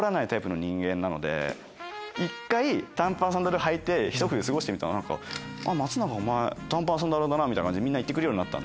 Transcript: １回短パンサンダル履いてひと冬過ごしてみたら何か「松永お前短パンサンダルだな」みたいな感じでみんな言ってくれるようになった。